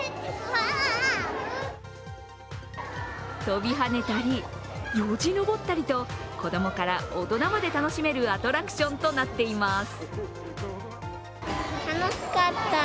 跳びはねたりよじ登ったりと子供から大人まで楽しめるアトラクションとなっています。